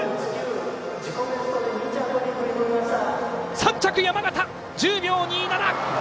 ３着、山縣、１０秒２７。